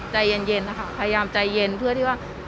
ใจเย็นนะคะพยายามใจเย็นเพื่อที่ว่า